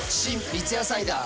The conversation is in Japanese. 三ツ矢サイダー』